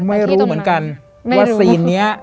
ไม่รู้เหมือนกันว่าซีนนี้